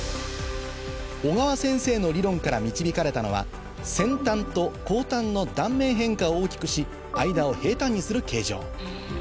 小川先生の理論から導かれたのは先端と後端の断面変化を大きくし間を平たんにする形状